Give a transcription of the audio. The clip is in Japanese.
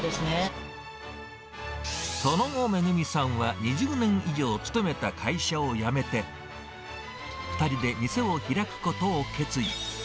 その後、恵美さんは、２０年以上勤めた会社を辞めて、２人で店を開くことを決意。